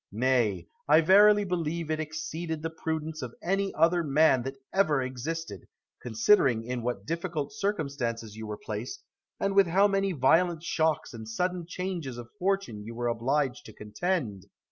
Nay, I verily believe it exceeded the prudence of any other man that ever existed, considering in what difficult circumstances you were placed, and with how many violent shocks and sudden changes of fortune you were obliged to contend.